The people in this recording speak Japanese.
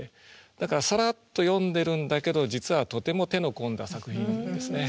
だからさらっと詠んでるんだけど実はとても手の込んだ作品ですね。